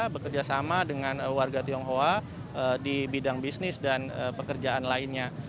bekerjasama dengan warga tionghoa di bidang bisnis dan pekerjaan lainnya